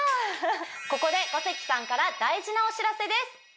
ここで五関さんから大事なお知らせです